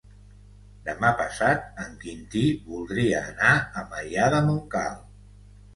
Demà passat en Quintí voldria anar a Maià de Montcal.